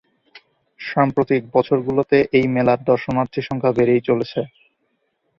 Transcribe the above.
সাম্প্রতিক বছরগুলিতে এই মেলায় দর্শনার্থী সংখ্যা বেড়েই চলেছে।